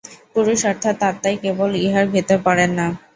পুরুষ অর্থাৎ আত্মাই কেবল ইহার ভিতর পড়েন না।